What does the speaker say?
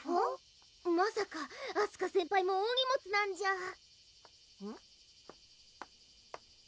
まさかあすか先輩も大荷物なんじゃうん？